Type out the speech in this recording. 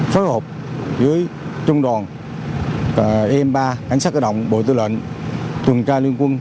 phối hợp với trung đoàn im ba cảnh sát cơ động bộ tư lệnh tuần tra liên quân